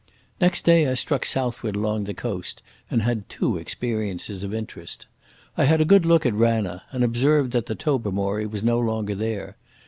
Next day I struck southward along the coast, and had two experiences of interest. I had a good look at Ranna, and observed that the Tobermory was no longer there.